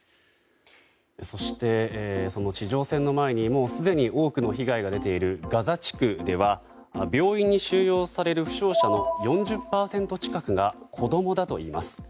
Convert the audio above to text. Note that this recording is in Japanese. そして地上戦の前にすでに多くの被害が出ているガザ地区では病院に収容される負傷者の４０％近くが子供だといいます。